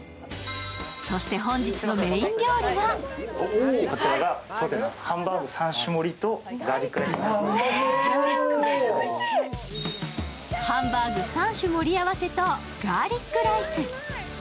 そして本日のメイン料理がハンバーグ３種盛り合わせとガーリックライス。